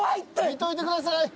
見といてください。